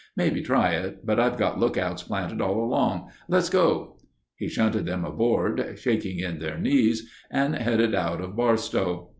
Maybe try it, but I've got lookouts planted all along. Let's go....' He shunted them aboard, shaking in their knees and headed out of Barstow.